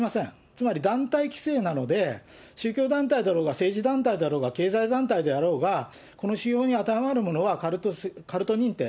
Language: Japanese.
つまり、団体規制なので、宗教団体だろうが、政治団体だろうが経済団体であろうが、この指標に当てはまるものはカルト認定。